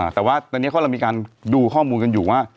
แต่ว่าตอนนี้เขาเรามีการดูข้อมูลกันอยู่ว่า